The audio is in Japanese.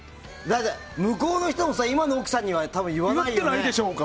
向こうの人も今の奥さんには多分、言わないよね。